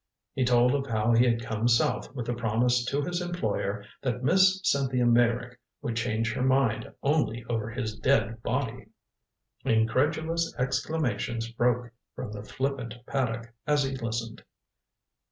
He told of how he had come south with the promise to his employer that Miss Cynthia Meyrick would change her mind only over his dead body. Incredulous exclamations broke from the flippant Paddock as he listened.